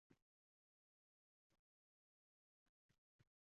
O‘smir bilan tinch, hayrixohlik ohangida gaplashing.